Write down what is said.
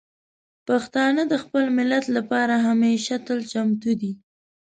پښتانه د خپل ملت لپاره همیشه تل چمتو دي.